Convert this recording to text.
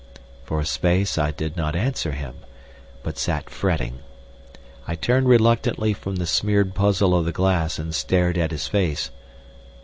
For a space I did not answer him, but sat fretting. I turned reluctantly from the smeared puzzle of the glass and stared at his face.